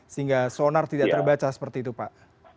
sehingga sonar tidak terbaca seperti itu pak